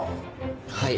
はい。